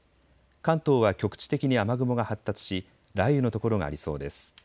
関東は局地的に雨雲が発達し雷雨の所がありそうです。